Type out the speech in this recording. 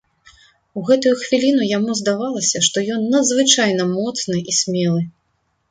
У гэтую хвіліну яму здавалася, што ён надзвычайна моцны і смелы.